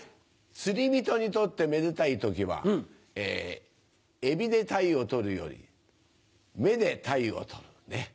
釣り人にとってめでたい時はエビでタイを捕るより目でタイを捕るねっ。